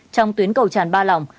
trong tuyến cầu tràn ba lòng